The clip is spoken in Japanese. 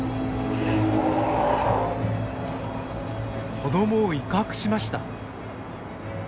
子どもを威嚇しました。